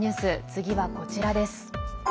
次はこちらです。